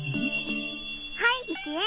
はい１円。